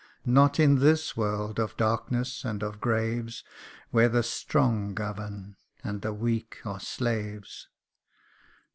Not in this world of darkness and of graves, Where the strong govern, and the weak are slaves.